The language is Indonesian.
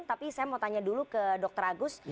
tapi saya mau tanya dulu ke dr agus